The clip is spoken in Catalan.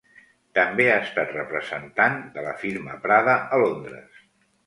També ha estat representant de la firma Prada a Londres.